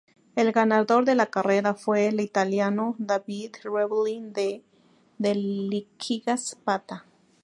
El ganador de la carrera fue el italiano Davide Rebellin del Liquigas-Pata.